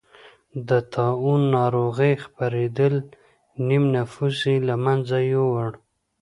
د طاعون ناروغۍ خپرېدل نییم نفوس یې له منځه یووړ.